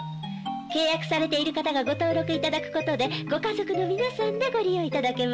契約されている方がご登録いただくことでご家族の皆さんでご利用いただけます。